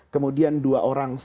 kemudian dua orang saksi